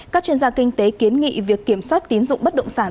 các chuyên gia kinh tế kiến nghị việc kiểm soát tín dụng bất động sản